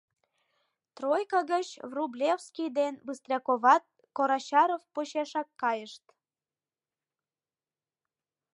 «Тройка» гыч Врублевский ден Быстряковат Карачаров почешак кайышт.